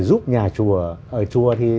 giúp nhà chùa ở chùa